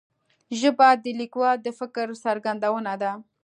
ژبه د لیکوال د فکر څرګندونه ده